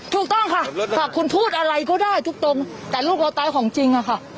ถูกต้องค่ะหากคุณพูดอะไรก็ได้ทุกตรงแต่ลูกเราตายของจริงอะค่ะ